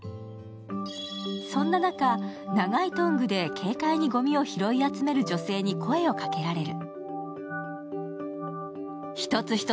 そんな中、長いトングで軽快にごみを拾い集める女性に声をかけられる。